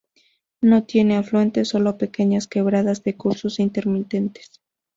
No tiene afluentes, sólo pequeñas quebradas de cursos intermitentes.